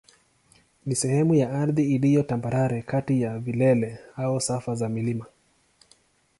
ni sehemu ya ardhi iliyo tambarare kati ya vilele au safu za milima.